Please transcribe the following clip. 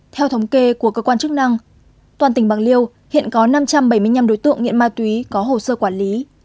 theo thống kê của cơ quan chức năng toàn tỉnh bạc liêu hiện có năm trăm bảy mươi năm đối tượng nghiện ma túy có hồ sơ quản lý